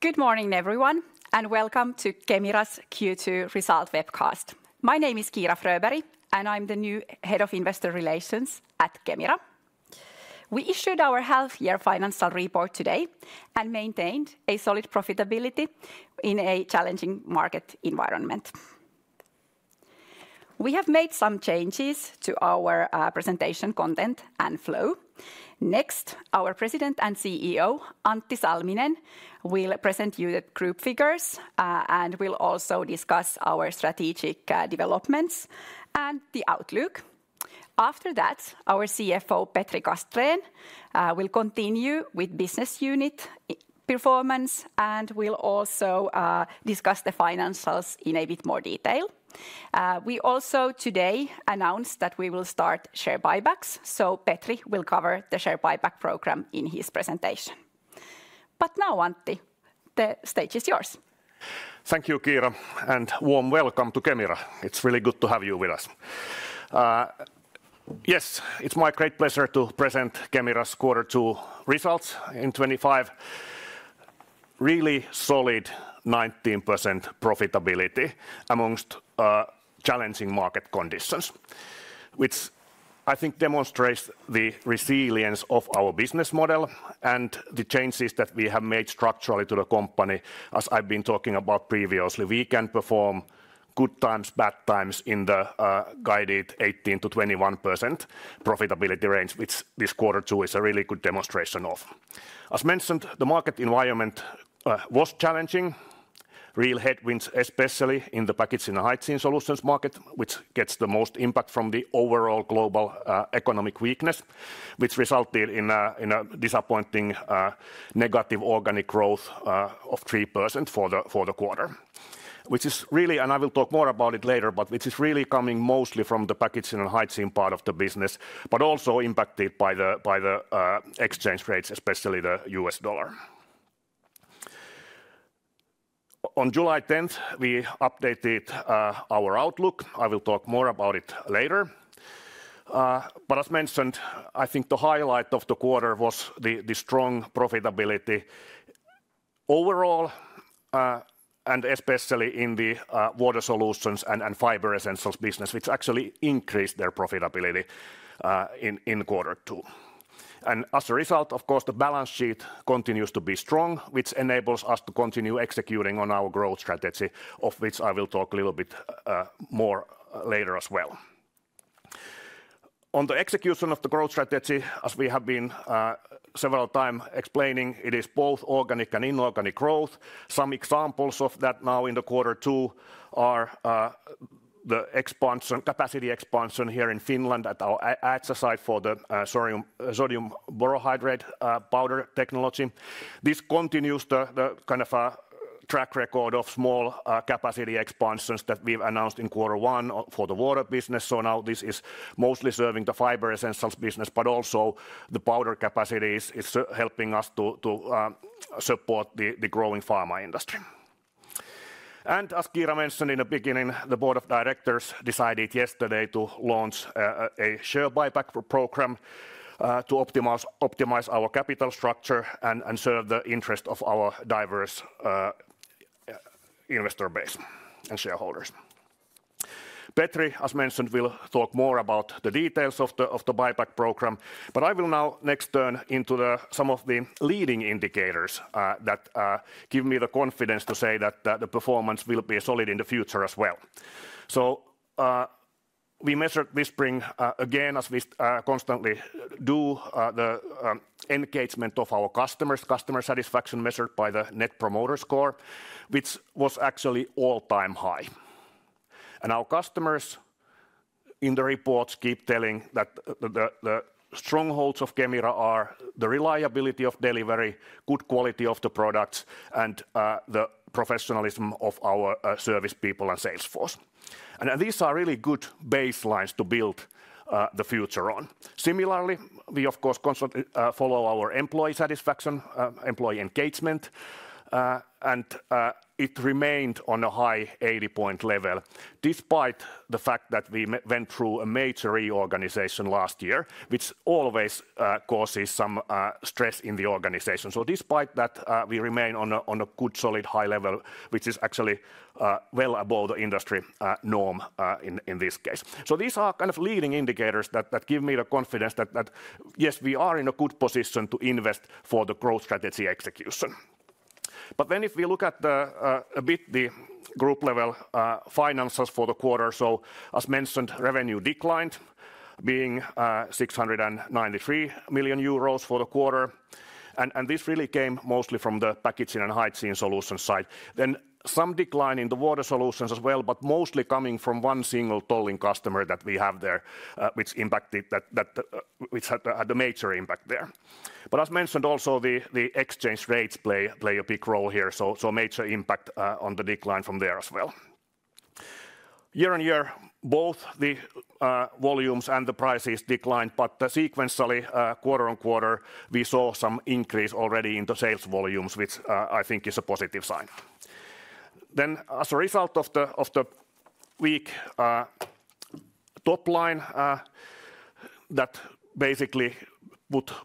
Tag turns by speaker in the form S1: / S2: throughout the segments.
S1: Good morning, everyone, and welcome to Kemira's Q2 result webcast. My name is Kira Freiberi, and I'm the new Head of Investor Relations at Kemira. We issued our half year financial report today and maintained a solid profitability in a challenging market environment. We have made some changes to our presentation content and flow. Next, our President and CEO, Antti Salminen, will present you the group figures and will also discuss our strategic developments and the outlook. After that, our CFO, Petrik Astrain, will continue with business unit performance and will also discuss the financials in a bit more detail. We also today announced that we will start share buybacks, so Petri will cover the share buyback program in his presentation. But now Antti, the stage is yours.
S2: Thank you, Kira, and warm welcome to Kemira. It's really good to have you with us. Yes, it's my great pleasure to present Kemira's quarter two results in 2025, really solid 19% profitability amongst challenging market conditions, which I think demonstrates the resilience of our business model and the changes that we have made structurally to the company. As I've been talking about previously, we can perform good times, bad times in the guided 18% to 21% profitability range, which this quarter too is a really good demonstration of. As mentioned, the market environment was challenging, real headwinds, especially in the Packaging and Hygiene Solutions market, which gets the most impact from the overall global economic weakness, which resulted in disappointing negative organic growth of 3% for the quarter, which is really and I will talk more about it later, but which is really coming mostly from the Packaging and Hygiene part of the business, but also impacted by exchange rates, especially The U. S. Dollar. On July 10, we updated our outlook. I will talk more about it later. But as mentioned, I think the highlight of the quarter was the strong profitability overall and especially in the Water Solutions and Fiber Essentials business, which actually increased their profitability in quarter two. And as a result, of course, the balance sheet continues to be strong, which enables us to continue executing on our growth strategy, of which I will talk a little bit more later as well. On the execution of the growth strategy, as we have been several time explaining, it is both organic and inorganic growth. Some examples of that now in the quarter two are the expansion capacity expansion here in Finland at our AXA site for the sodium borohydrate powder technology. This continues the kind of track record of small capacity expansions that we've announced in quarter one for the water business. So now this is mostly serving the fiber essentials business, but also the powder capacity is helping us to support the growing pharma industry. And as Kira mentioned in the beginning, the Board of Directors decided yesterday to launch a share buyback program to optimize our capital structure and serve the interest of our diverse investor base and shareholders. Petri, as mentioned, will talk more about the details of the buyback program, but I will now next turn into the some of the leading indicators that give me the confidence to say that the performance will be solid in the future as well. So we measured Whispering again as we constantly do the engagement of our customers, customer satisfaction measured by the Net Promoter Score, which was actually all time high. And our customers in the reports keep telling that the strongholds of Kemira are the reliability of delivery, good quality of the products and the professionalism of our service people and sales force. And these are really good baselines to build the future on. Similarly, we of course follow our employee satisfaction, employee engagement and it remained on a high 80 level, despite the fact that we went through a major reorganization last year, which always causes some stress in the organization. So despite that, we remain on a good solid high level, which is actually well above the industry norm in this case. So these are kind of leading indicators that give me the confidence that, yes, we are in a good position to invest for the growth strategy execution. But then if we look at the a bit the group level finances for the quarter, so as mentioned, revenue declined being €693,000,000 for the quarter and this really came mostly from the Packaging and Heighteen Solutions side. Then some decline in the Water Solutions as well, but mostly coming from one single tolling customer that we have there, which impacted that which had a major impact there. But as mentioned also the exchange rates play a big role here, major impact on the decline from there as well. Year on year, both the volumes and the prices declined, but sequentially quarter on quarter we saw some increase already in the sales volumes, which I think is a positive sign. Then as a result of weak top line that basically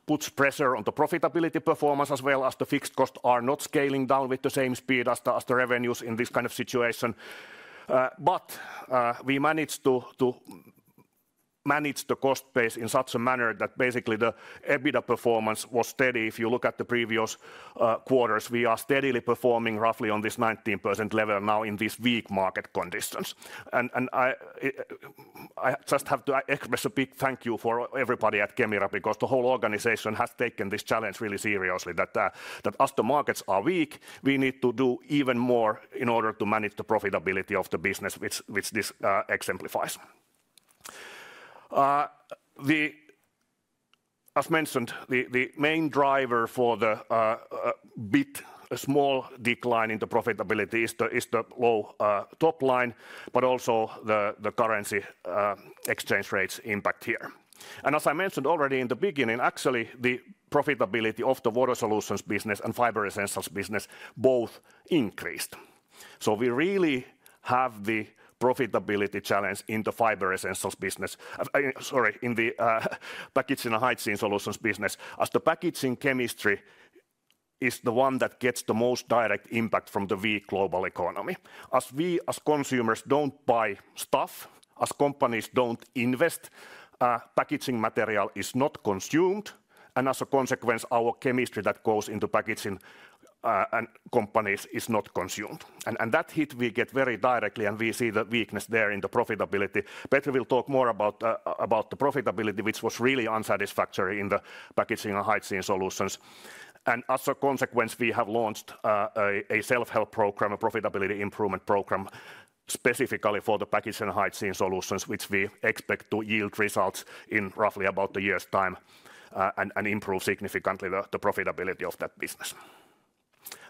S2: puts pressure on the profitability performance as well as the fixed costs are not scaling down with the same speed as the revenues in this kind of situation, but we managed to manage the cost base in such a manner that basically the EBITDA performance was steady. If you look at the previous quarters, we are steadily performing roughly on this 19% level now in these weak market conditions. And I just have to express a big thank you for everybody at Kemira, because the whole organization has taken this challenge really seriously that as the markets are weak, we need to do even more in order to manage the profitability of the business, which this exemplifies. As mentioned, the main driver for the bit small decline in the profitability is the low top line, but also the currency exchange rates impact here. And as I mentioned already in the beginning, actually the profitability of the Water Solutions business and Fiber Essentials business both increased. So we really have the profitability challenge in the Fiber Essentials business sorry, in the Packaging and Hygiene Solutions business, as the Packaging Chemistry is the one that gets the most direct impact from the weak global economy. As we, as consumers, don't buy stuff, as companies don't invest, packaging material is not consumed as a consequence, our chemistry that goes into packaging companies is not consumed. And that hit we get very directly and we see the weakness there in the profitability. Petr will talk more about the profitability, which was really unsatisfactory in the Packaging and Height Scene Solutions. And as a consequence, we have launched a self help program, a profitability improvement program, specifically for the Packaging and Height Scene Solutions, which we expect to yield results in roughly about a year's time and improve significantly the profitability of that business.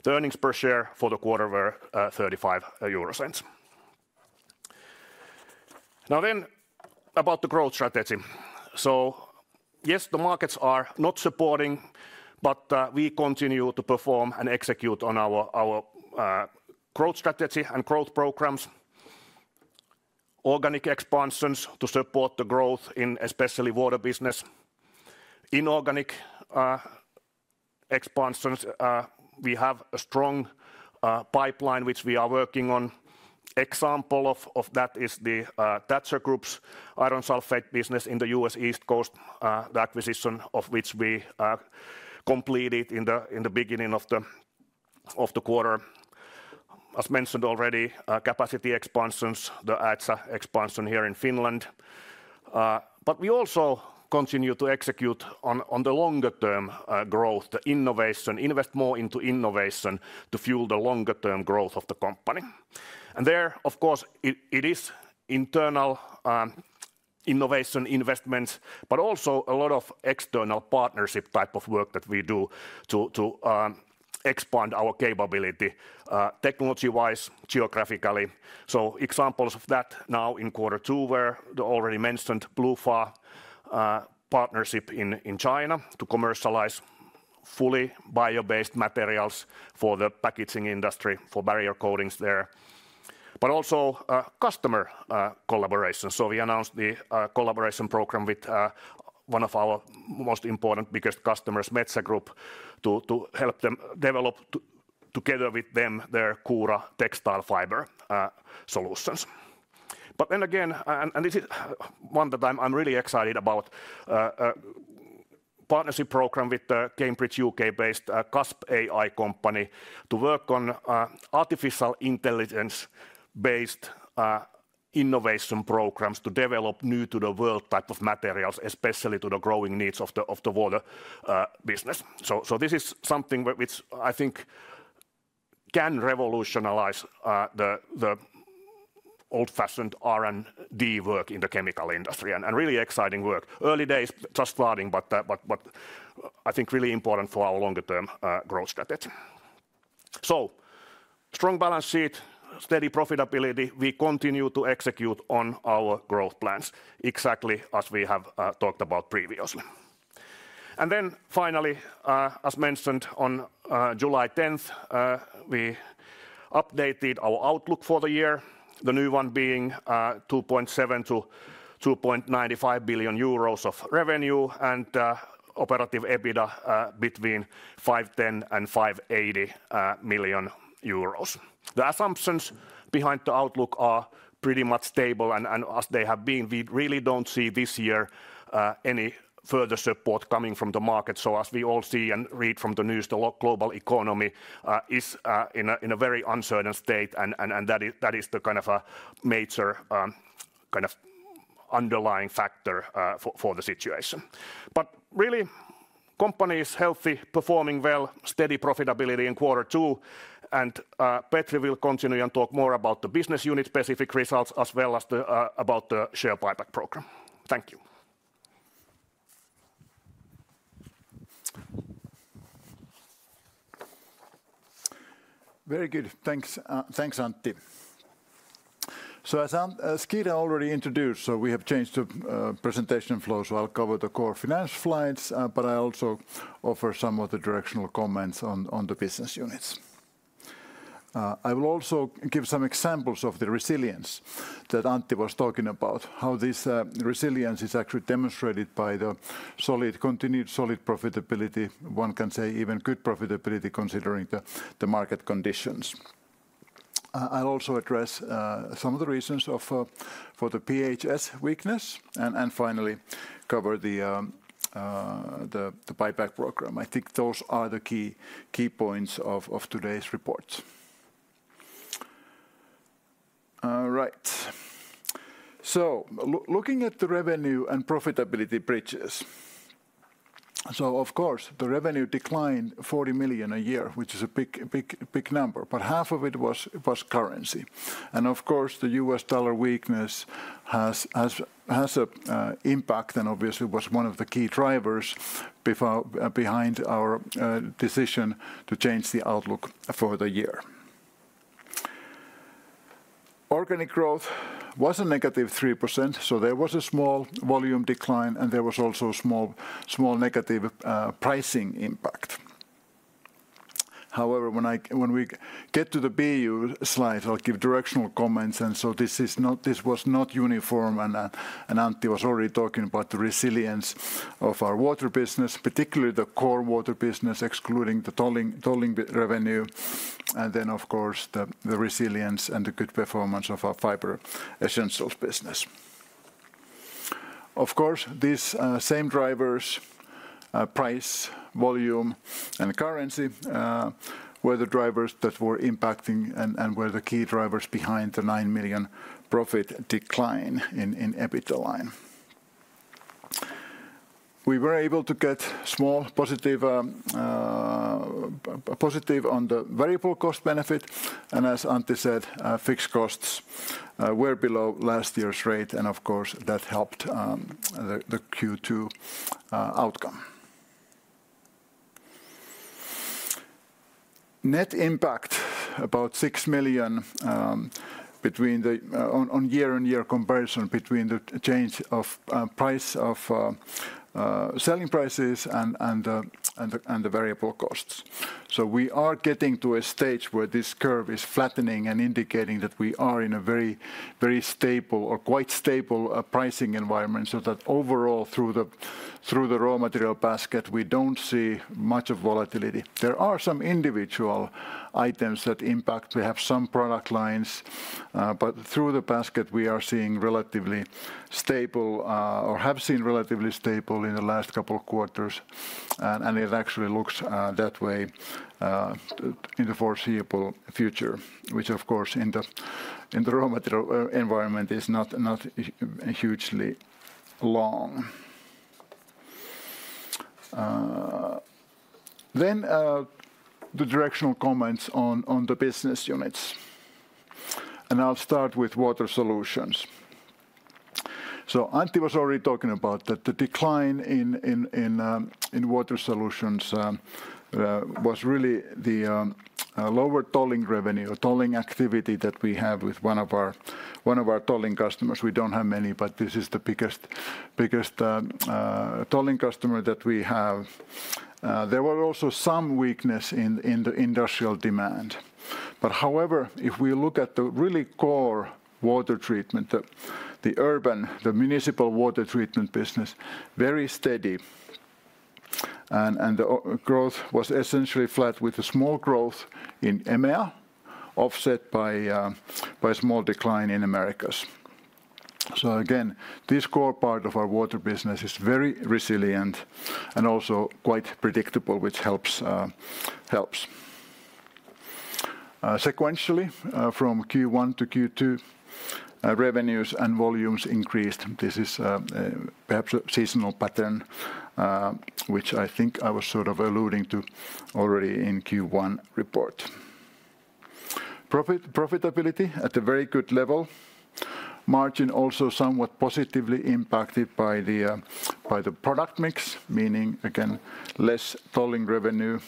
S2: The earnings per share for the quarter were €0.35 Now then about the growth strategy. So, yes, the markets are not supporting, but we continue to perform and execute on our growth strategy and growth programs, organic expansions to support the growth in especially Water business, Inorganic expansions, we have a strong pipeline, which we are working on. Example of that is the Thatcher Group's iron sulphate business in The U. S. East Coast, the acquisition of which we completed in the beginning of the quarter. As mentioned already, capacity expansions, the Adsa expansion here in Finland. But we also continue to execute on the longer term growth innovation, invest more into innovation to fuel the longer term growth of the company. And there, of course, it is internal innovation investments, but also a lot of external partnership type of work that we do to expand our capability technology wise geographically. So examples of that now in quarter two were the already mentioned BLUFA partnership in China to commercialize fully bio based materials for the packaging industry for barrier coatings there, but also customer collaboration. So we announced the collaboration program with one of our most important biggest customers Metze Group to help them develop together with them their Kura textile fiber solutions. But then again, and this is one that I'm really excited about partnership program with Cambridge UK based Kasp AI company to work on artificial intelligence based innovation programs to develop new to the world type of materials, especially to the growing needs of the water business. So this is something which I think can revolutionize the old fashioned R and D work in the chemical industry and really exciting work. Early days just starting, but I think really important for our longer term growth strategy. So strong balance sheet, steady profitability, we continue to execute on our growth plans exactly as we have talked about previously. And then finally, as mentioned on July 10, we updated our outlook for the year, the new one being 2,700,000,000.0 to €2,950,000,000 of revenue and operative EBITDA between $510,000,000 and €580,000,000 The assumptions behind the outlook are pretty much stable and as they have been, we really don't see this year any further support coming from the market. So as we all see and read from the news, the global economy is in a very uncertain state and that is the kind of a major kind of underlying factor for the situation. But really company is healthy, performing well, steady profitability in quarter two and Petri will continue and talk more about the business unit specific results as well as about the share buyback program. Thank you.
S3: Very good. Thanks, Antti. So as Keira already introduced, so we have changed the presentation flow, so I'll cover the core finance slides, but I also offer some of the directional comments on the business units. I will also give some examples of the resilience that Antti was talking about, how this resilience is actually demonstrated by the continued solid profitability, one can say even good profitability considering the market conditions. I'll also address some of the reasons for the PHS weakness and finally cover the buyback program. I think those are the key points of today's report. All right. So looking at the revenue and profitability bridges. So of course, the revenue declined 40,000,000 a year, which is a big number, but half of it was currency. And of course, the U. S. Dollar weakness has an impact and obviously was one of the key drivers behind our decision to change the outlook for the year. Organic growth was a negative 3%. So there was a small volume decline and there was also a small negative pricing impact. However, when we get to the BEU slide, I'll give directional comments. And so this is not this was not uniform. And Antti was already talking about the resilience of our water business, particularly the core water business, excluding the tolling revenue and then, of course, the resilience and the good performance of our fiber essentials business. Of course, these same drivers, price, volume and currency, were the drivers that were impacting and were the key drivers behind the €9,000,000 profit decline in EBITDA line. We were able to get small positive on the variable cost benefit. And as Antti said, fixed costs were below last year's rate. And of course, that helped the Q2 outcome. Net impact, about €6,000,000 between the on year on year comparison between the change of price of selling prices and the variable costs. So we are getting to a stage where this curve is flattening and indicating that we are in a very stable or quite stable pricing environment so that overall through the raw material basket, we don't see much of volatility. There are some individual items that impact. We have some product lines. But through the basket, we are seeing relatively stable or have seen relatively stable in the last couple of quarters, and it actually looks that way in the foreseeable future, which, of course, in the raw material environment is not hugely long. Then the directional comments on the business units. And I'll start with Water Solutions. So Antti was already talking about that the decline in Water Solutions was really the lower tolling revenue, tolling activity that we have with one of our tolling customers. We don't have many, but this is the biggest tolling customer that we have. There were also some weakness in the industrial demand. But however, if we look at the really core water treatment, the urban, the municipal water treatment business, very steady. And the growth was essentially flat with a small growth in EMEA, offset by a small decline in Americas. So again, this core part of our water business is very resilient and also quite predictable, which helps. Sequentially, from Q1 to Q2, revenues and volumes increased. This is perhaps a seasonal pattern, which I think I was sort of alluding to already in Q1 report. Profitability at a very good level. Margin also somewhat positively impacted by the product mix, meaning, again, less tolling revenue.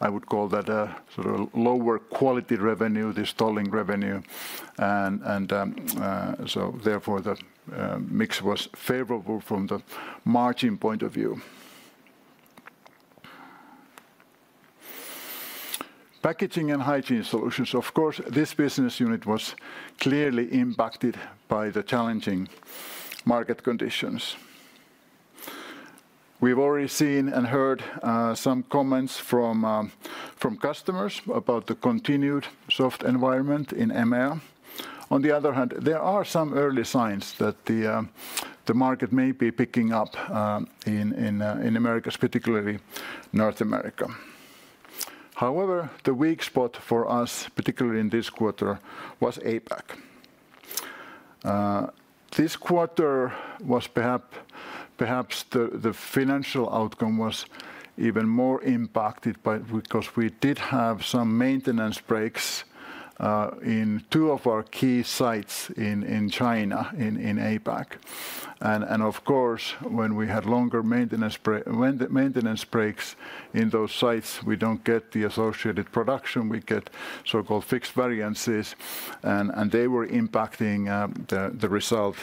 S3: I would call that a sort of lower quality revenue, this tolling revenue. And so therefore, the mix was favorable from the margin point of view. Packaging and Hygiene Solutions. Of course, this business unit was clearly impacted by the challenging market conditions. We've already seen and heard some comments from customers about the continued soft environment in EMEA. On the other hand, there are some early signs that the market may be picking up in Americas, particularly North America. However, the weak spot for us, particularly in this quarter, was APAC. This quarter was perhaps the financial outcome was even more impacted by because we did have some maintenance breaks in two of our key sites in China in APAC. And of course, when we had longer maintenance breaks in those sites, we don't get the associated production, we get so called fixed variances, and they were impacting the result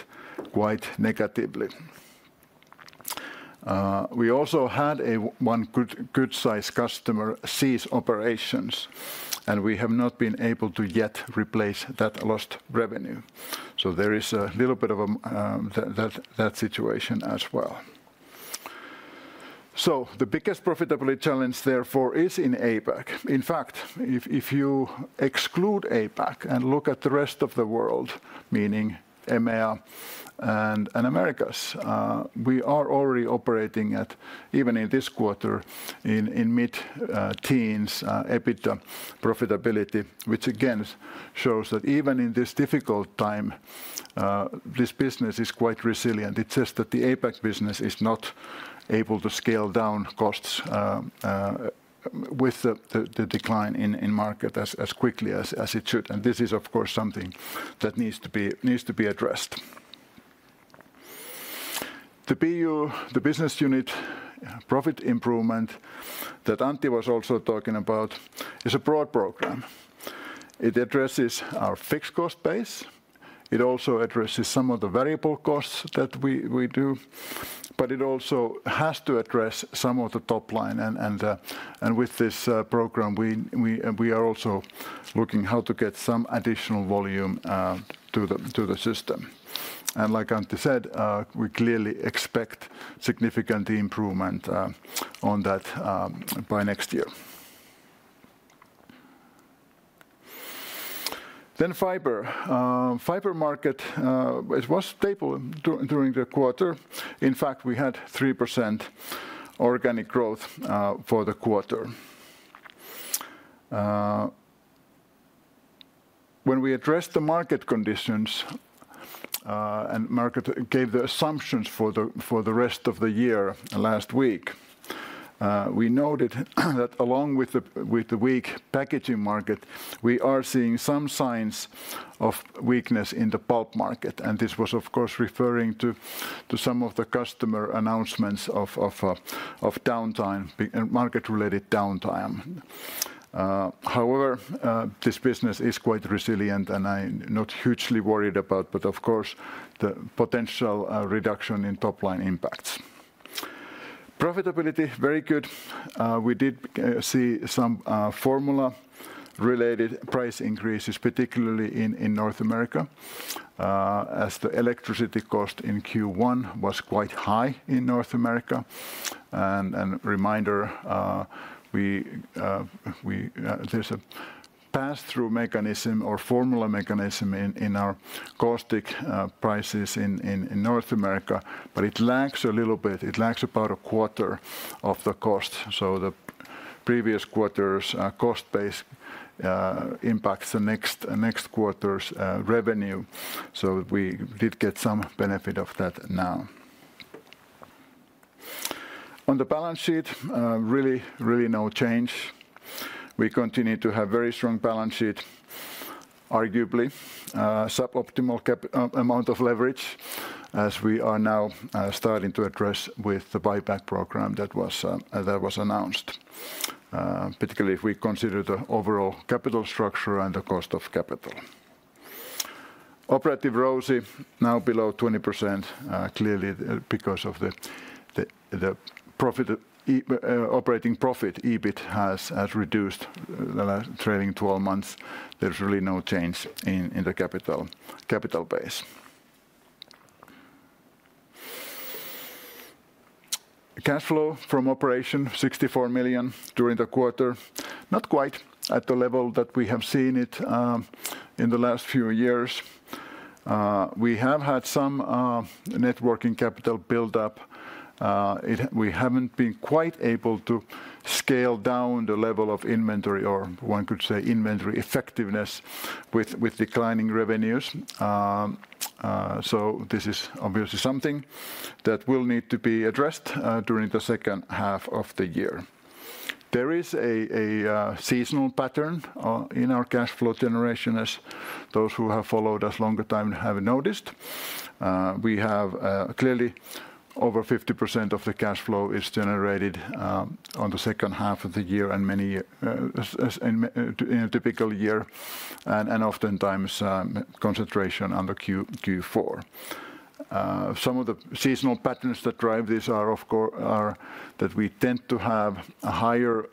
S3: quite negatively. We also had one good sized customer cease operations, and we have not been able to yet replace that lost revenue. So there is a little bit of that situation as well. So the biggest profitability challenge, therefore, is in APAC. In fact, if you exclude APAC and look at the rest of the world, meaning EMEA and Americas, we are already operating at, even in this quarter, in mid teens EBITDA profitability, which again shows that even in this difficult time, this business is quite resilient. It's just that the APAC business is not able to scale down costs with the decline in market as quickly as it should. And this is, of course, something that needs to be addressed. The PU, the business unit profit improvement that Antti was also talking about is a broad program. It addresses our fixed cost base. It also addresses some of the variable costs that we do, but it also has to address some of the top line. And with this program, we are also looking how to get some additional volume to the system. And like Antti said, we clearly expect significant improvement on that by next year. Then fiber. Fiber market was stable during the quarter. In fact, we had 3% organic growth for the quarter. When we addressed the market conditions, and Markus gave the assumptions for the rest of the year last week, we noted that along with the weak packaging market, we are seeing some signs of weakness in the pulp market. And this was, of course, referring to some of the customer announcements of downtime market related downtime. However, this business is quite resilient, and I'm not hugely worried about, but of course, the potential reduction in top line impacts. Profitability, very good. We did see some formula related price increases, particularly in North America as the electricity cost in Q1 was quite high in North America. And a reminder, we there's a pass through mechanism or formula mechanism in our caustic prices in North America, but it lags a little bit. It lags about onefour of the cost. So the previous quarter's cost base impacts the next quarter's revenue. So we did get some benefit of that now. On the balance sheet, really, really no change. We continue to have very strong balance sheet, arguably suboptimal amount of leverage as we are now starting to address with the buyback program that was announced, particularly if we consider the overall capital structure and the cost of capital. Operative ROCE, now below 20%, clearly because of the profit operating profit EBIT has reduced the trailing twelve months. There's really no change in the capital base. Cash flow from operation, 64,000,000 during the quarter, not quite at the level that we have seen it in the last few years. We have had some net working capital buildup. We haven't been quite able to scale down the level of inventory or, one could say, inventory effectiveness with declining revenues. So this is obviously something that will need to be addressed during the second half of the year. There is a seasonal pattern in our cash flow generation as those who have followed us longer time have noticed. We have clearly over 50% of the cash flow is generated on the second half of the year and many in a typical year and oftentimes concentration under Q4. Some of the seasonal patterns that drive this are, of course, that we tend to have a higher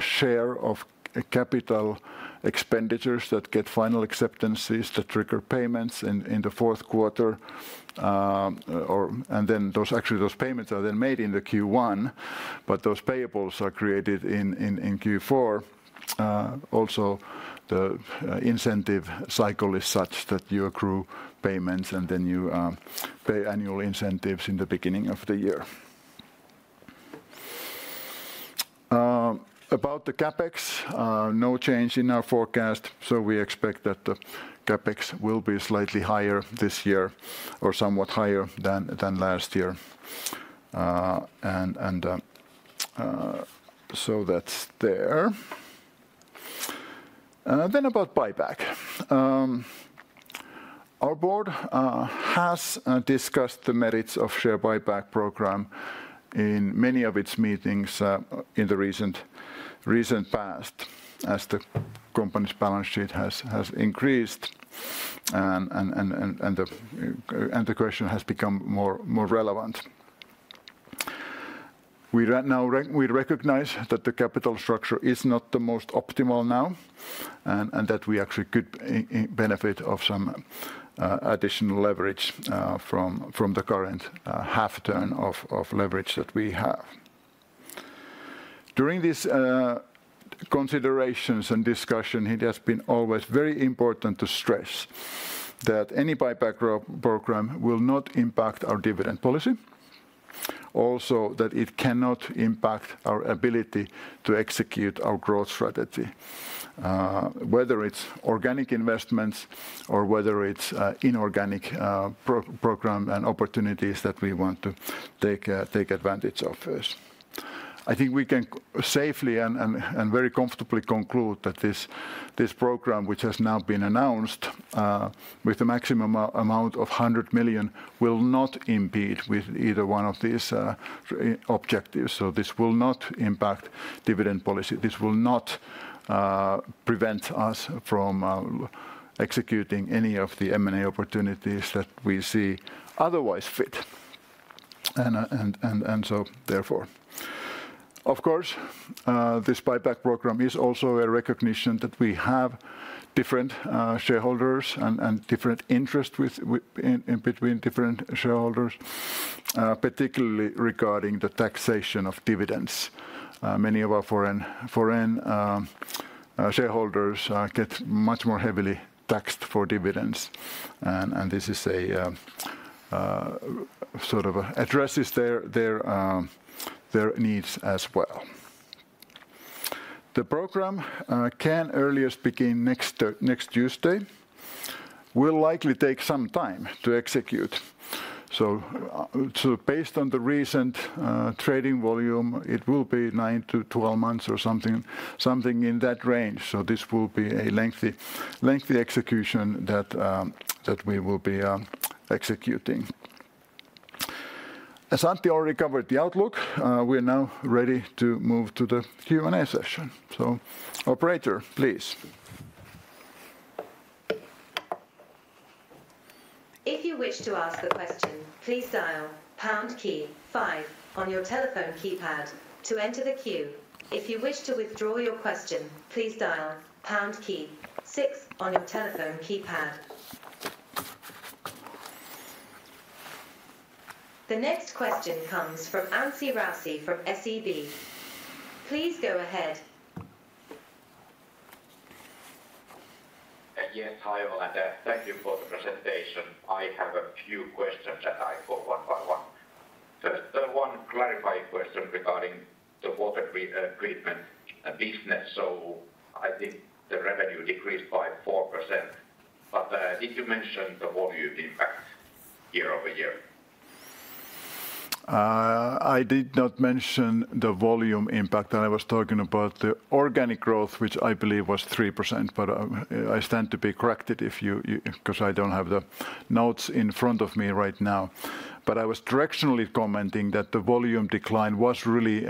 S3: share of capital expenditures that get final acceptances to trigger payments in the fourth quarter. Then those actually, payments are then made in the Q1, but those payables are created in Q4. Also, the incentive cycle is such that you accrue payments and then you pay annual incentives in the beginning of the year. About the CapEx, no change in our forecast. So we expect that the CapEx will be slightly higher this year or somewhat higher than last year. And so that's there. Then about buyback. Our Board has discussed the merits of share buyback program in many of its meetings in the recent past as the company's balance sheet has increased and the question has become more relevant. We recognize that the capital structure is not the most optimal now and that we actually could benefit of some additional leverage from the current half turn of leverage that we have. During these considerations and discussion, it has been always very important to stress that any buyback program will not impact our dividend policy, also that it cannot impact our ability to execute our growth strategy, whether it's organic investments or whether it's inorganic program and opportunities that we want to take advantage of this. I think we can safely and very comfortably conclude that this program, which has now been announced with the maximum amount of 100,000,000 will not impede with either one of these objectives. So this will not impact dividend policy. This will not prevent us from executing any of the M and A opportunities that we see otherwise fit. And so therefore, of course, this buyback program is also a recognition that we have different shareholders and different interest between different shareholders, particularly regarding the taxation of dividends. Many of our foreign shareholders get much more heavily taxed for dividends. And this is a sort of addresses their needs as well. The program can earliest begin next Tuesday, will likely take some time to execute. So based on the recent trading volume, it will be nine to twelve months or something in that range. So this will be a lengthy execution that we will be executing. As Antti already covered the outlook, we are now ready to move to the Q and A session. So operator, please.
S4: The next question comes from Ansi Rasi from SEB. Please go ahead.
S5: Hi, Olanda. Thank you for the presentation. I have a few questions at I for one by one. First, one clarifying question regarding the water treatment business. So I think the revenue decreased by 4%. But did you mention the volume impact year over year?
S3: I did not mention the volume impact. I was talking about the organic growth, which I believe was 3%, but I stand to be corrected if you because I don't have the notes in front of me right now. But I was directionally commenting that the volume decline was really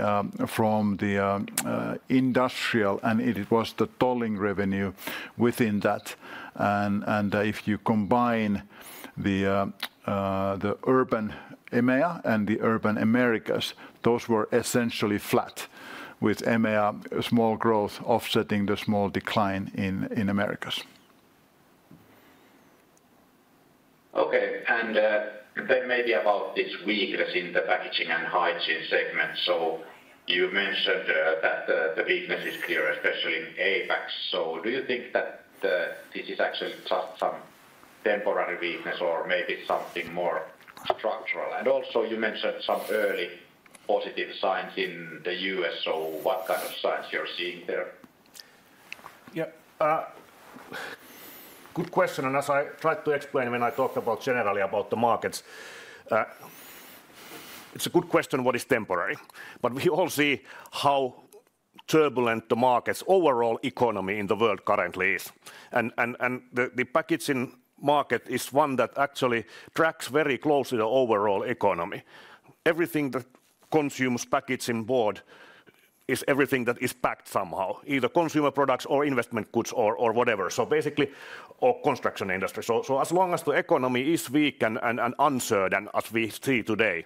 S3: from industrial, and it was the tolling revenue within that. And if you combine the urban EMEA and the urban Americas, those were essentially flat with EMEA small growth offsetting the small decline in Americas.
S5: Okay. And then maybe about this weakness in the Packaging and Hygiene segment. So you mentioned that the weakness is clear, especially in APAC. So do you think that this is actually just some temporary weakness or maybe something more structural? And also you mentioned some early positive signs in The U. S, so what kind of signs you're seeing there?
S2: Yes. Good question. And as I tried to explain when I talked about generally about the markets, It's a good question what is temporary, but we all see how turbulent the markets overall economy in the world currently is. And the packaging market is one that actually tracks very closely the overall economy. Everything that consumes packaging board is everything that is packed somehow, either consumer products or investment goods or whatever, so basically or construction industry. As long as the economy is weak and uncertain as we see today,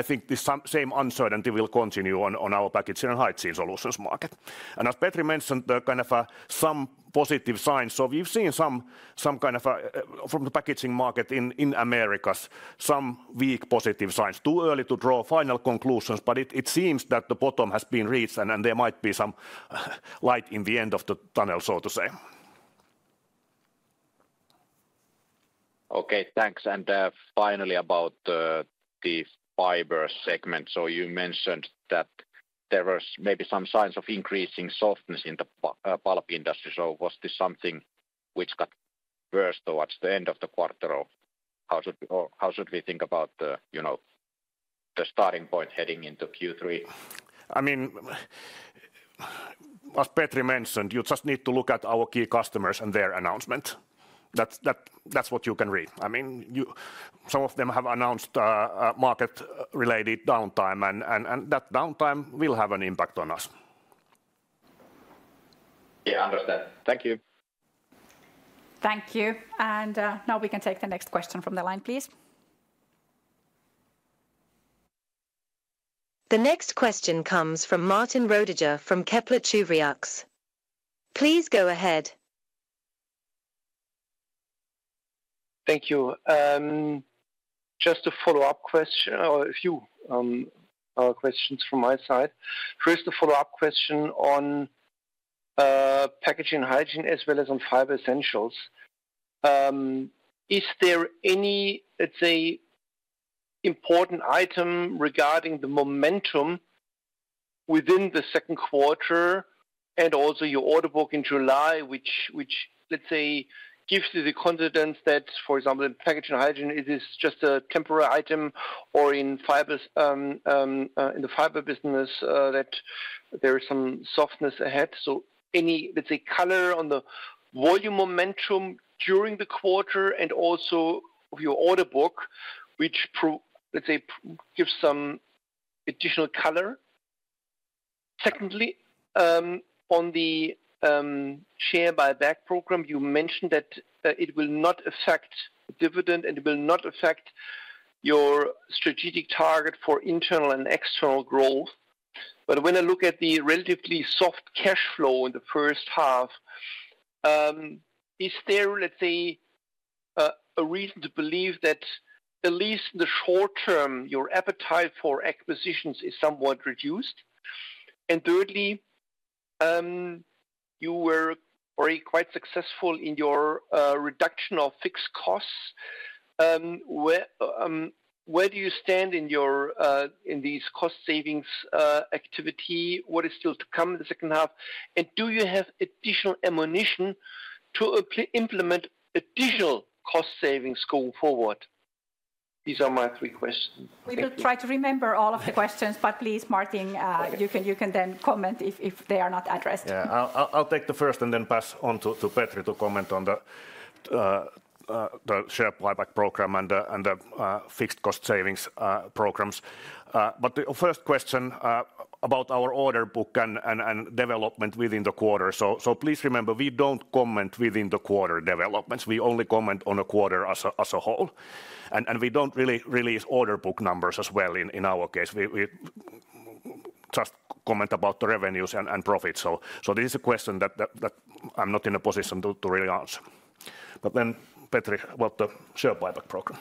S2: I think this same uncertainty will continue on our Packaging and Hygiene Solutions market. And as Petri mentioned, there are kind of some positive signs. So we've seen some kind of from the packaging market in Americas, some weak positive signs. Too early to draw final conclusions, but it seems that the bottom has been reached and then there might be some light in the end of the tunnel, so to say.
S5: Okay. Thanks. And finally about the fiber segment. So you mentioned that there was maybe some signs of increasing softness in the pulp industry. So was this something which got worse towards the end of the quarter? How should we think about the starting point heading into Q3?
S2: I mean, as Petri mentioned, you just need to look at our key customers and their announcement. That's what you can read. I mean, some of them have announced market related downtime, and that downtime will have an impact on us.
S5: Yes, I understand. Thank you.
S1: Thank you. And now we can take the next question from the line, please.
S4: The next question comes from Martin Roediger from Kepler Cheuvreux. Please go ahead.
S6: Thank you. Just a follow-up question or a few questions from my side. First, a follow-up question on packaging and hygiene as well as on fiber essentials. Is there any, let's say, important item regarding the momentum within the second quarter and also your order book in July, which, let's say, gives you the confidence that, for example, in Packaging and Hydrogen, is this just a temporary item? Or in the fiber business that there is some softness ahead? So any, let's say, color on the volume momentum during the quarter and also of your order book, which, let's say, gives some additional color? Secondly, on the share buyback program, you mentioned that it will not affect dividend and it will not affect your strategic target for internal and external growth. But when I look at the relatively soft cash flow in the first half, is there, let's say, a reason to believe that at least in the short term, appetite for acquisitions is somewhat reduced? And thirdly, you were already quite successful in your reduction of fixed costs. Where do you stand in your in these cost savings activity? What is still to come in the second half? And do you have additional ammunition to implement additional cost savings going forward? These are my three questions.
S1: We will try to remember all of the questions. But please, Martin, you can then comment if they are not addressed.
S2: Yes. I'll take the first and then pass on to Petri to comment on the share buyback program and the fixed cost savings programs. But the first question about our order book and development within the quarter, so please remember, we don't comment within the quarter developments. We only comment on a quarter as a whole. And we don't really release order book numbers as well in our case. Just comment about the revenues and profits. This is a question that I'm not in a position to really answer. But then Petrik, about the share buyback program.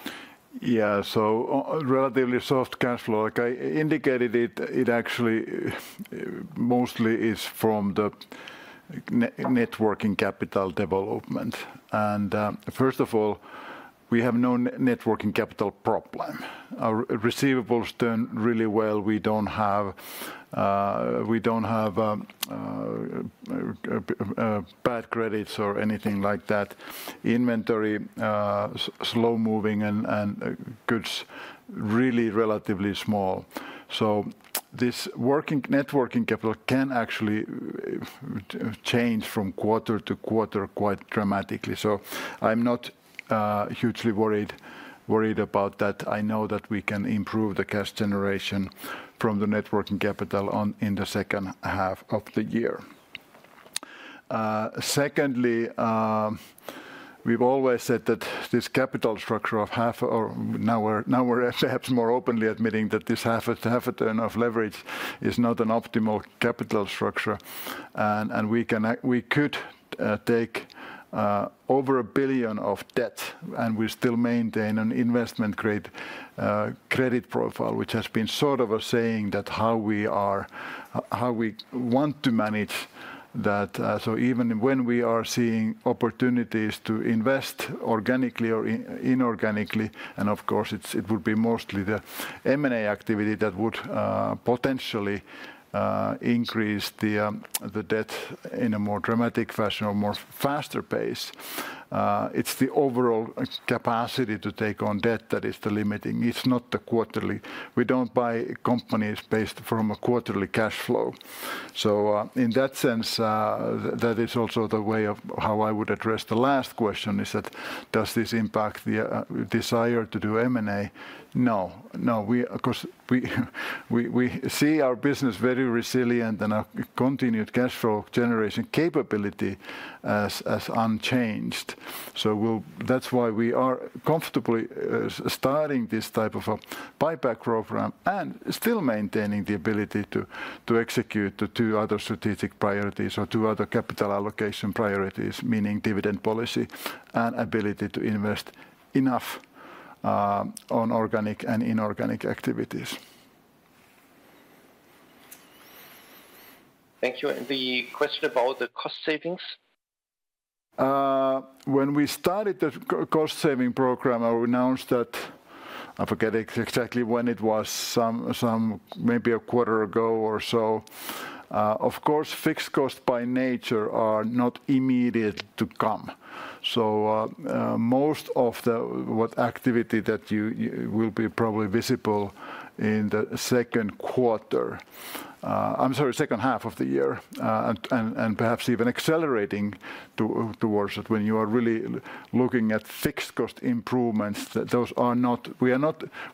S3: Yes. So relatively soft cash flow. Like I indicated, it actually mostly is from the net working capital development. And first of all, we have no net working capital problem. Our receivables done really well. We don't have bad credits or anything like that. Inventory, slow moving and goods really relatively small. So this working net working capital can actually change from quarter to quarter quite dramatically. So I'm not hugely worried about that. I know that we can improve the cash generation from the net working capital in the second half of the year. Secondly, we've always said that this capital structure of half or now we're perhaps more openly admitting that this half a turn of leverage is not an optimal capital structure. And we could take over €1,000,000,000 of debt, and we still maintain an investment grade credit profile, which has been sort of a saying that how we are how we want to manage that. So even when we are seeing opportunities to invest organically or inorganically, and of course, it would be mostly the M and A activity that would potentially increase the debt in a more dramatic fashion or more faster pace. It's the overall capacity to take on debt that is the limiting. It's not the quarterly. We don't buy companies based from a quarterly cash flow. So in that sense, that is also the way of how I would address the last question is that does this impact the desire to do M and A? No, no. Of course, we see our business very resilient and our continued cash flow generation capability as unchanged. So that's why we are comfortably starting this type of a buyback program and still maintaining the ability to execute to two other strategic priorities or two other capital allocation priorities, meaning dividend policy and ability to invest enough on organic and inorganic activities.
S6: Thank you. And the question about the cost savings?
S3: When we started the cost saving program, we announced that I forget exactly when it was some maybe a quarter ago or so. Of course, fixed costs by nature are not immediate to come. So most of the activity that you will be probably visible in the second quarter I'm sorry, second half of the year and perhaps even accelerating towards it when you are really looking at fixed cost improvements. Those are not we are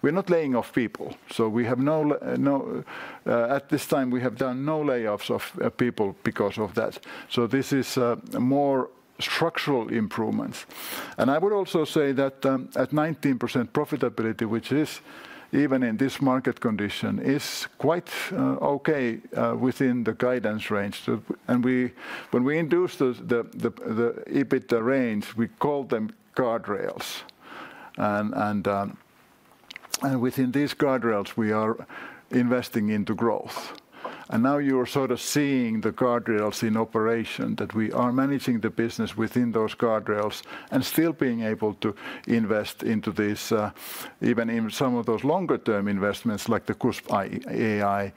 S3: not laying off people. So we have no at this time, we have done no layoffs of people because of that. So this is more structural improvements. And I would also say that at 19% profitability, which is even in this market condition, is quite okay within the guidance range. And we when we introduced the EBITDA range, we called them guardrails. And within these guardrails, we are investing into growth. And now you are sort of seeing the guardrails in operation that we are managing the business within those guardrails and still being able to invest into this even in some of those longer term investments like the Kusp AI,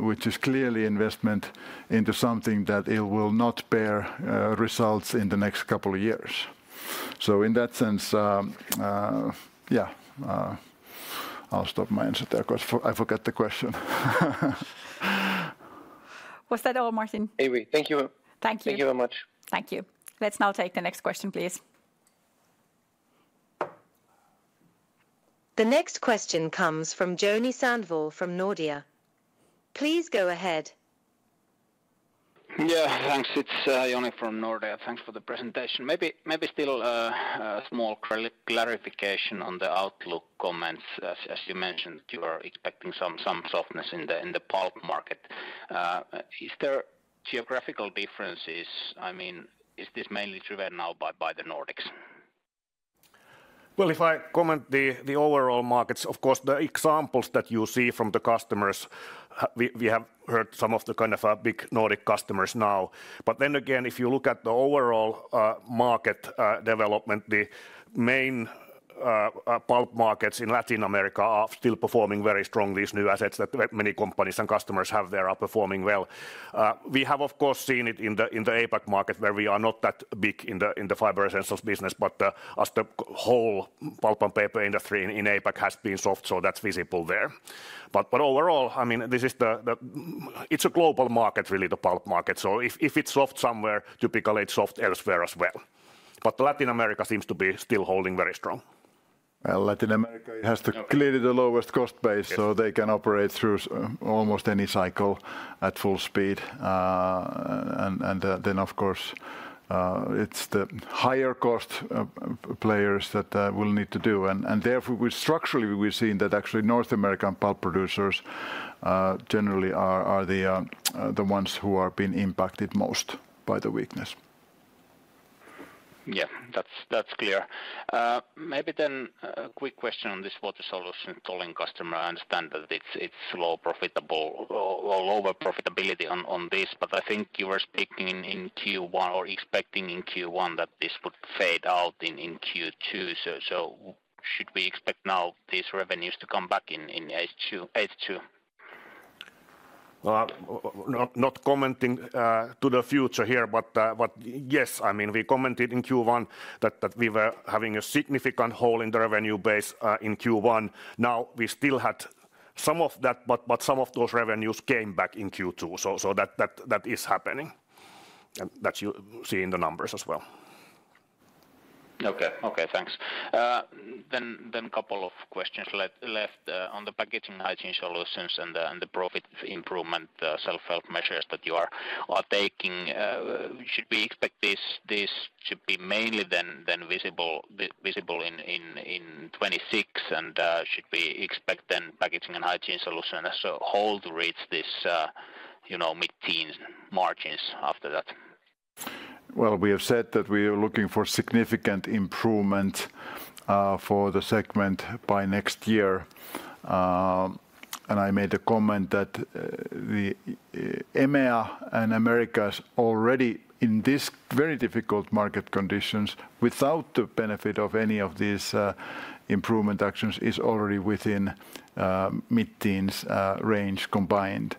S3: which is clearly investment into something that it will not bear results in the next couple of years. So in that sense, yes, I'll stop my answer there because I forgot the question.
S4: The next question comes from Joni Sandvohr from Nordea. Please go ahead.
S7: Yes. Thanks. It's Joni from Nordea. Thanks for the presentation. Maybe still a small clarification on the outlook comments. As you mentioned, you are expecting some softness in the pulp market. Is there geographical differences? I mean, is this mainly driven now by the Nordics?
S2: Well, if I comment the overall markets, of course, the examples that you see from the customers, we have heard some of the kind of big Nordic customers now. But then again, if you look at the overall market development, the main pulp markets in Latin America are still performing very strong, these new assets that many companies and customers have there are performing well. We have of course seen it in the APAC market where we are not that big in the fiber essentials business, but as the whole pulp and paper industry in APAC has been soft, so that's visible there. But overall, I mean, this is the it's a global market really the pulp market. So if it's soft somewhere, typically it's soft elsewhere as well. But Latin America seems to be still holding very strong.
S3: Latin America has clearly the lowest cost base, so they can operate through almost any cycle at full speed. And then, of course, it's the higher cost players that will need to do. And therefore, structurally, we've seen that actually North American pulp producers generally are the ones who are being impacted most by the weakness.
S7: Yes. That's clear. Maybe then a quick question on this water solution tolling customer. I understand that it's low profitable or lower profitability on this, but I think you were speaking in Q1 or expecting in Q1 that this would fade out in Q2. Should we expect now these revenues to come back in H2?
S2: Not commenting to the future here, but yes, I mean, commented in Q1 that we were having a significant hole in the revenue base in Q1. Now, we still had some of that, but some of those revenues came back in Q2. So that is happening that you see in the numbers as well.
S7: Okay. Okay. Thanks. Then a couple of questions left on the Packaging and Hygiene Solutions and profit improvement self help measures that you are taking, should we expect this should be mainly then visible in 2026? And should we expect then Packaging and Hygiene Solutions as a whole to reach this mid teens margins after that?
S3: Well, we have said that we are looking for significant improvement for the segment by next year. And I made a comment that EMEA and Americas already in this very difficult market conditions without the benefit of any of these improvement actions is already within mid teens range combined.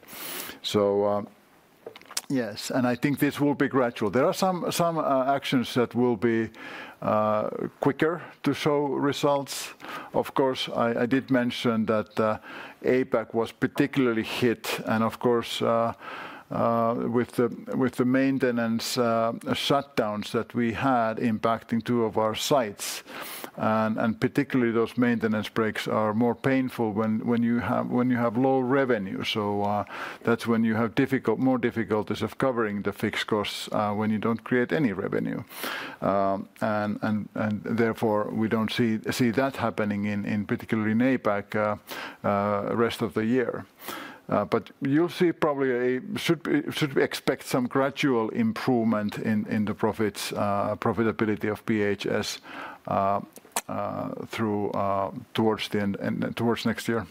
S3: So yes, and I think this will be gradual. There are some actions that will be quicker to show results. Of course, I did mention that APAC was particularly hit. And of course, with the maintenance shutdowns that we had impacting two of our sites, And particularly, those maintenance breaks are more painful when you have low revenue. So that's when you have more difficulties of covering the fixed costs when you don't create any revenue. And therefore, we don't see that happening in particularly in APAC rest of the year. But you'll see probably a should we expect some gradual improvement in the profits profitability of PHS through towards the end towards next year.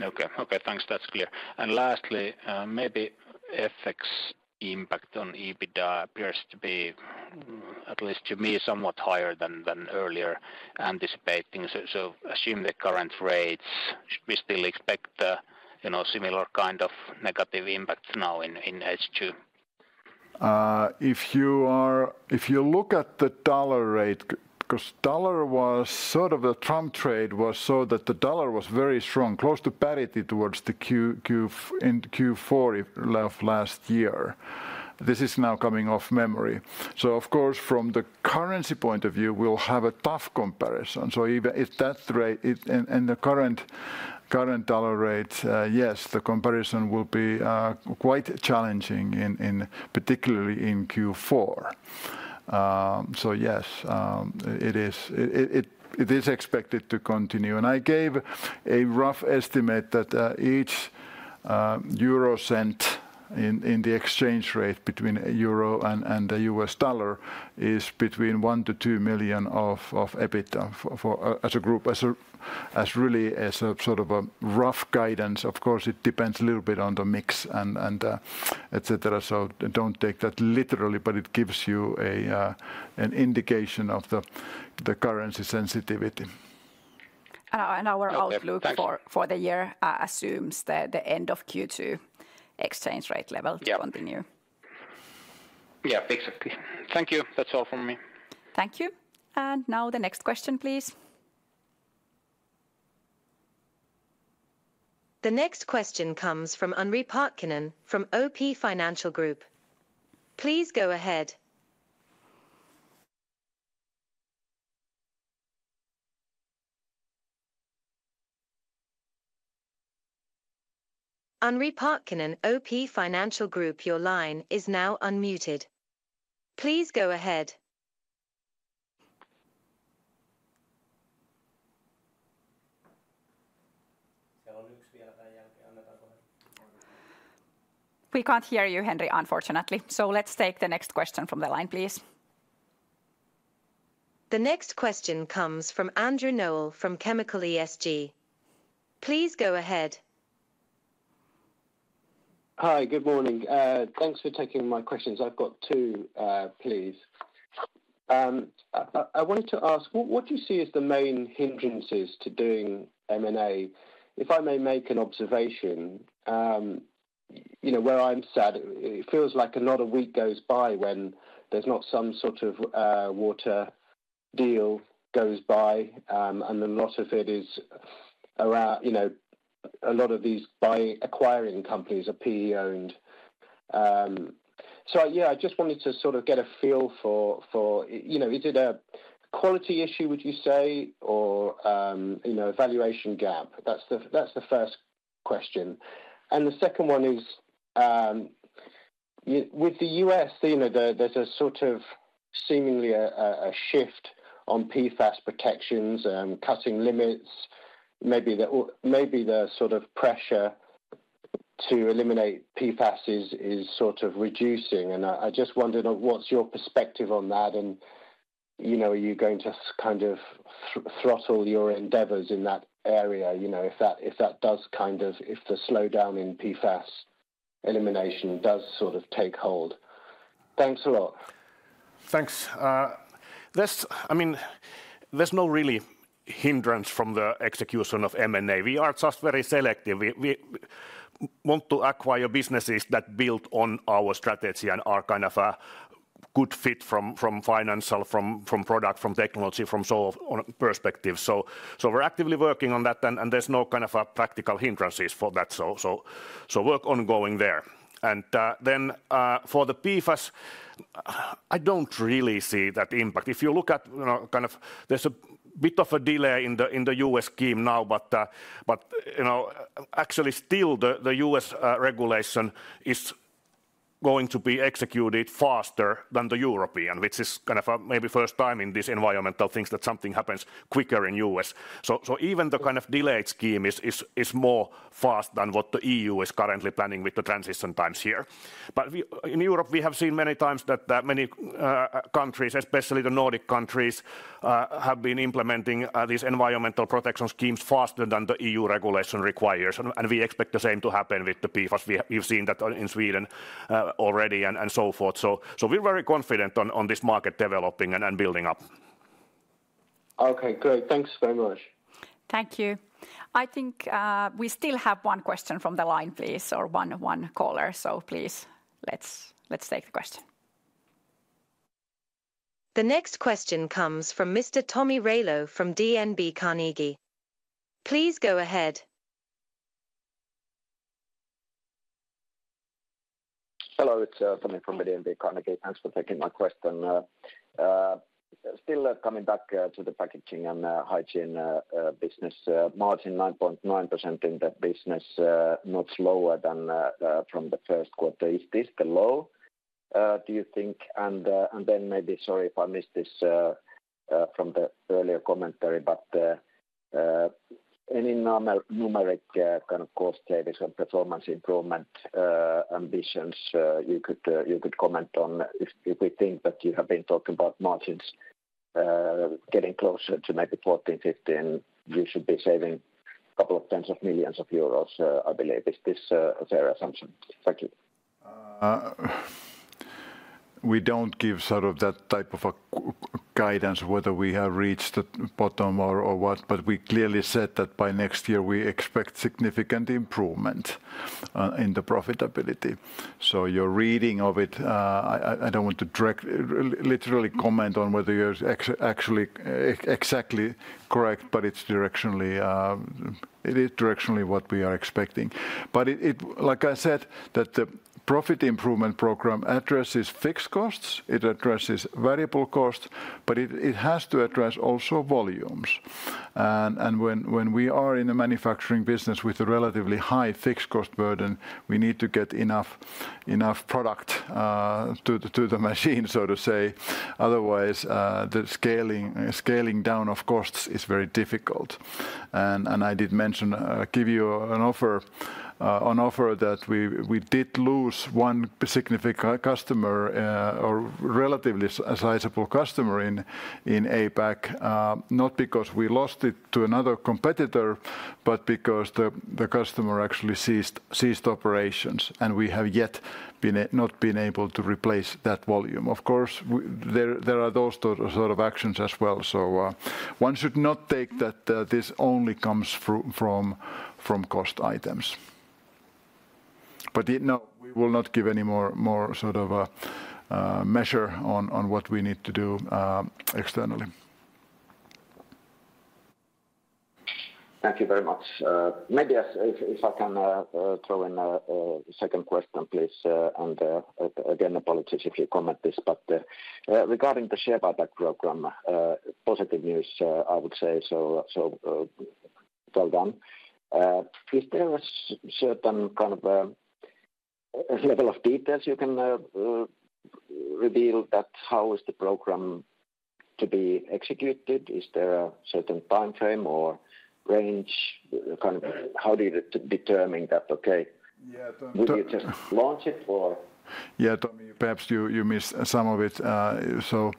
S7: Okay. Okay. That's clear. And lastly, maybe FX impact on EBITDA appears to be, at least to me, somewhat higher than earlier anticipating. So assume the current rates, should we still expect similar kind of negative impact now in H2?
S3: If you are if you look at the dollar rate, because dollar was sort of a trump trade was so that the dollar was very strong, close to parity towards the Q4 last year. This is now coming off memory. So of course, from the currency point of view, we'll have a tough comparison. So if that rate and the current dollar rate, yes, the comparison will be quite challenging in particularly in Q4. So yes, it is expected to continue. And I gave a rough estimate that each euro cent in the exchange rate between euro and the U. S. Dollar is between 1,000,000 to €2,000,000 of EBITDA for as a group as really as a sort of a rough guidance. Of course, it depends a little bit on the mix and etcetera. So don't take that literally, but it gives you an indication of the currency sensitivity.
S1: Our outlook for the year assumes the end of Q2 exchange rate level to continue.
S4: The next question comes from Anri Parkkinen from OP Financial Group. Please go ahead.
S1: We can't hear you, Henri, unfortunately. So let's take the next question from the line, please.
S4: The next question comes from Andrew Knowl from Chemical ESG. Please go ahead.
S8: Hi, good morning. Thanks for taking my questions. I've got two, please. I wanted to ask, what do you see as the main hindrances to doing M and A? If I may make an observation, where I'm sad, it feels like another week goes by when there's not some sort of water deal goes by, and a lot of it is around, you know, a lot of these by acquiring companies are PE owned. So yes, just wanted to sort of get a feel for is it a quality issue, would you say, or valuation gap? That's the first question. And the second one is with The U. S. There's a sort of seemingly a shift on PFAS protections and cutting limits, maybe the sort of pressure to eliminate PFAS is sort of reducing. And I just wondered what's your perspective on that? And are you going to kind of throttle your endeavors in that area if that does kind of if the slowdown in PFAS elimination does sort of take hold? Thanks a lot.
S2: Thanks. I mean, there's no really hindrance from the execution of M and A. We are just very selective. We want to acquire businesses that build on our strategy and are kind of a good fit from financial, from product, from technology, from so on perspective. So we're actively working on that and there's no kind of practical hindrances for that, so work ongoing there. And then for the PFAS, I don't really see that impact. If you look at kind of there's a bit of a delay in The U. S. Scheme now, but actually still The U. S. Regulation is going to be executed faster than the European, which is kind of maybe first time in this environment that thinks that something happens quicker in U. S. So even the kind of delayed scheme is more fast than what the EU is currently planning with the transition times here. But in Europe, we have seen many times that many countries, especially the Nordic countries have been implementing these environmental protection schemes faster than the EU regulation requires. We expect the same to happen with the PFAS. We've seen that in Sweden already and so forth. So we're very confident on this market developing and building up.
S8: Okay, great. Thanks very much.
S1: Thank you. I think we still have one question from the line please or one caller. So please let's take the question.
S4: The next question comes from Mr. Tommy Railo from DNB Carnegie. Please go ahead.
S9: Hello, it's Tommy from DNB Carnegie. Thanks for taking my question. Still coming back to the Packaging and Hygiene business, margin 9.9% in that business, much lower than from the first quarter. Is this the low, do you think? And then maybe sorry if I missed this from the earlier commentary, but any numeric kind of cost savings and performance improvement ambitions, you could comment on if we think that you have been talking about margins getting closer to maybe 14%, 15 you should be saving a couple of tens of millions of euros, I believe. Is this a fair assumption?
S3: We don't give sort of that type of a guidance whether we have reached the bottom or what. But we clearly said that by next year, we expect significant improvement in the profitability. So your reading of it, I don't want to literally comment on whether you're actually exactly correct, but it's directionally what we are expecting. But like I said, that the profit improvement program addresses fixed costs, it addresses variable costs, but it has to address also volumes. And when we are in the manufacturing business with a relatively high fixed cost burden, we need to get enough product to the machine, so to say. Otherwise, the scaling down of costs is very difficult. And I did mention give you an offer that we did lose one significant customer or relatively sizable customer in APAC, not because we lost it to another competitor, but because the customer actually ceased operations, and we have yet not been able to replace that volume. Of course, there are those sort of actions as well. So one should not take that this only comes from cost items. But no, we will not give any more sort of a measure on what we need to do externally.
S9: Thank you very much. Maybe if I can throw in a second question, please. And again, if you comment this. But regarding the share buyback program, positive news, I would say, so well done. Is there a certain kind of level of details you can reveal that how is the program to be executed? Is there a certain time frame or range kind of how do you determine that, okay? Would you just launch it or
S3: Yes. Tommy, perhaps you missed some of it. So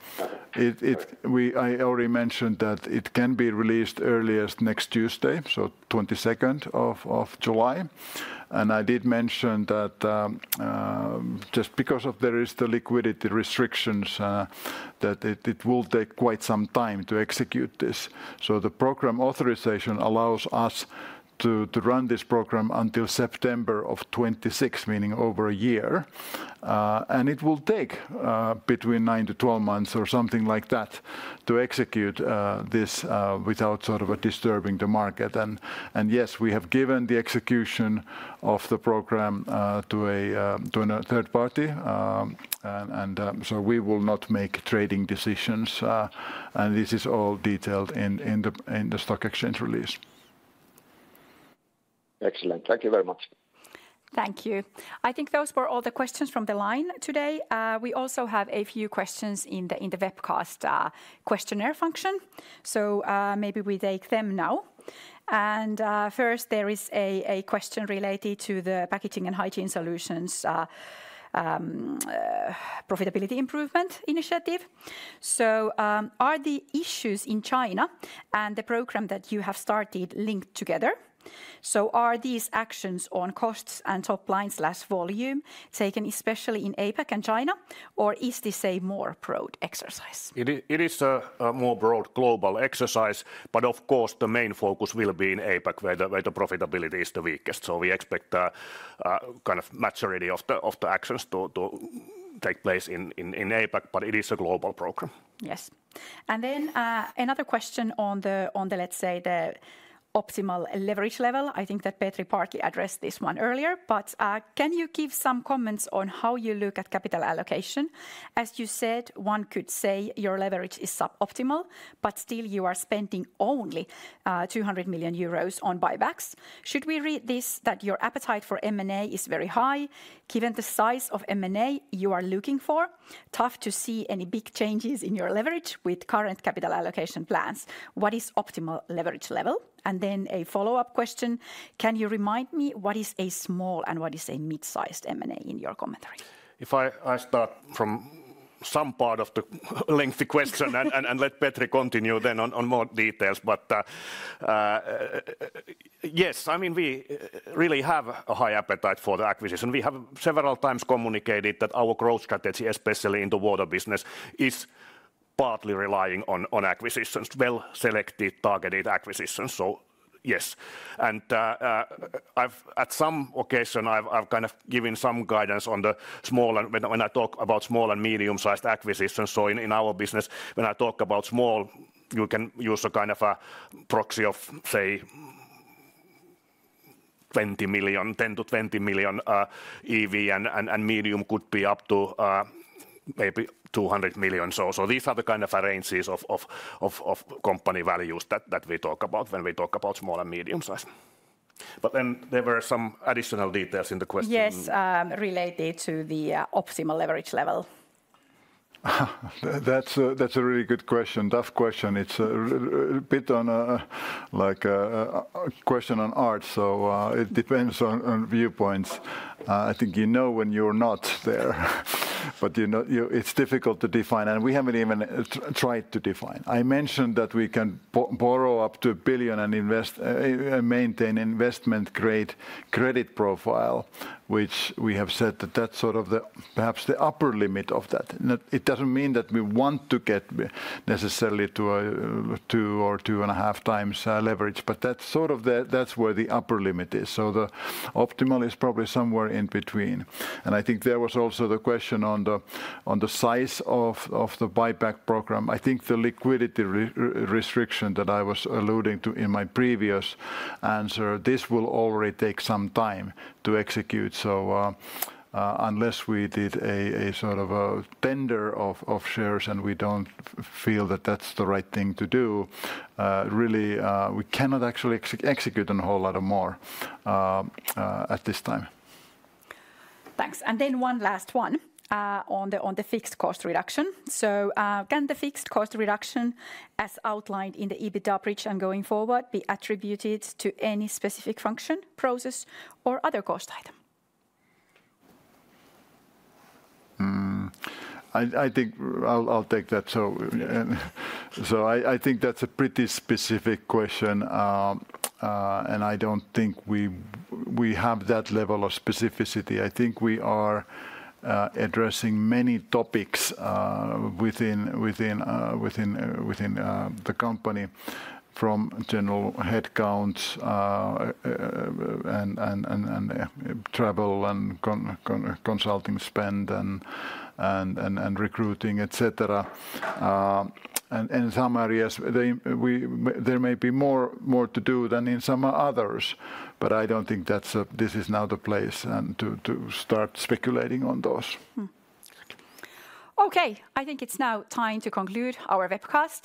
S3: I already mentioned that it can be released early as next Tuesday, so July 22. And I did mention that just because of there is the liquidity restrictions that it will take quite some time to execute this. So the program authorization allows us to run this program until September, meaning over a year. And it will take between nine to twelve months or something like that to execute this without sort of disturbing the market. And yes, we have given the execution of the program to a third party. And so we will not make trading decisions. And this is all detailed in the stock exchange release.
S9: Excellent. Thank you very much.
S1: Thank you. I think those were all the questions from the line today. We also have a few questions in the webcast questionnaire function. So maybe we take them now. And first, there is a question related to the Packaging and Hygiene Solutions profitability improvement initiative. So are the issues in China and the program that you have started linked together? So are these actions on costs and top linevolume taken especially in APAC and China? Or is this a more broad exercise?
S2: It is a more broad global exercise, but of course the main focus will be in APAC where the profitability is the weakest. So we expect kind of maturity of the actions to take place in APAC, but it is a global program.
S1: Yes. And then another question on the, let's say, the optimal leverage level. I think that Petri Parti addressed this one earlier. But can you give some comments on how you look at capital allocation? As you said, one could say your leverage is suboptimal, but still you are spending only €200,000,000 on buybacks. Should we read this that your appetite for M and A is very high given the size of M and A you are looking for? Tough to see any big changes in your leverage with current capital allocation plans. What is optimal leverage level? And then a follow-up question. Can you remind me what is a small and what is a mid sized M and A in your commentary?
S2: If I start from some part of the lengthy question and let Petri continue then on more details. But yes, I mean, we really have a high appetite for the acquisition. We have several times communicated that our growth strategy, especially in the water business is partly relying on acquisitions, well selected targeted acquisitions. So yes, and I've at some occasion, I've kind of given some guidance on the small and when I talk about small and medium sized acquisitions. So in our business, when I talk about small, you can use a kind of a proxy of say €20,000,000 10,000,000 to €20,000,000 EV and medium could be up to maybe €200,000,000 So these are the kind of ranges of company values that we talk about when we talk about small and medium size. But then there were some additional details in the question.
S1: Yes, related to the optimal leverage level.
S3: That's a really good question, tough question. It's a bit on like a question on art. So it depends on viewpoints. I think you know when you're not there. But it's difficult to define, and we haven't even tried to define. I mentioned that we can borrow up to €1,000,000,000 and invest maintain investment grade credit profile, which we have said that, that's sort of perhaps the upper limit of that. It doesn't mean that we want to get necessarily to a two or 2.5x leverage, but that's sort of that's where the upper limit is. So the optimal is probably somewhere in between. And I think there was also the question on the size of the buyback program. I think the liquidity restriction that I was alluding to in my previous answer, this will already take some time to execute. So unless we did a sort of a tender of shares and we don't feel that, that's the right thing to do, really, we cannot actually execute on a whole lot more at this time.
S1: And then one last one on the fixed cost reduction. So can the fixed cost reduction, as outlined in the EBITDA bridge and going forward, be attributed to any specific function, process or other cost item?
S3: I think I'll take that. So I think that's a pretty specific question, and I don't think we have that level of specificity. I think we are addressing many topics within the company from general headcount and travel and consulting spend and recruiting, etcetera. And in some areas, there may be more to do than in some others, but I don't think that's this is now the place to start speculating on those.
S1: Okay. I think it's now time to conclude our webcast.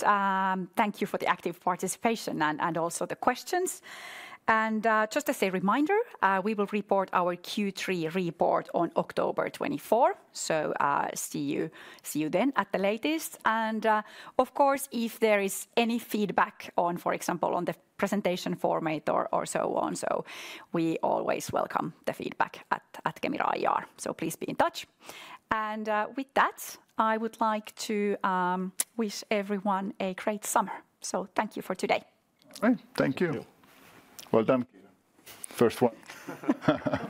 S1: Thank you for the active participation and also the questions. And just as a reminder, we will report our Q3 report on October 24. So see you then at the latest. And of course, if there is any feedback on, for example, on the presentation format or so on, so we always welcome the feedback at Kemira IR. So please be in touch. And with that, I would like to wish everyone a great summer. So thank you for today.
S3: Thank you. Well done, Kieran. First one.